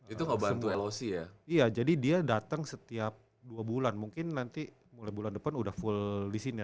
itu ngebantu loc ya jadi dia datang setiap dua bulan mungkin nanti mulai bulan depan udah full di sini